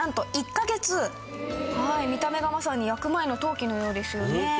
見た目がまさに焼く前の陶器のようですよね。